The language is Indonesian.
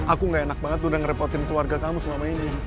aku gak enak banget udah ngerepotin keluarga kamu selama ini